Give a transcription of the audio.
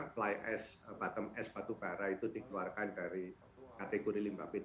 fly ice bottom ice batubara itu dikeluarkan dari kategori limbah p tiga